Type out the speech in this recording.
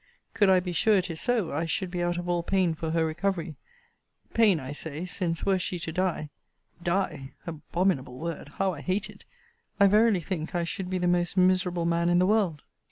Could I be sure it is so, I should be out of all pain for her recovery: pain, I say; since, were she to die [die! abominable word! how I hate it!] I verily think I should be the most miserable man in the world.